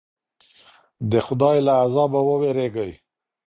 د خدای له عذابه وویریږئ.